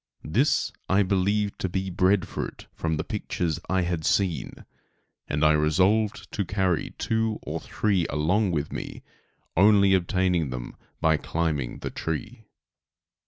This I believed to be bread fruit, from the pictures I had seen, and I resolved to carry two or three along with me, only obtaining them by climbing the tree.